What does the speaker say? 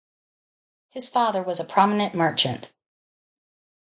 His father was a prominent merchant.